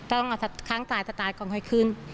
ต้องเอาข้างตายตะตายก่อนค่อยขึ้น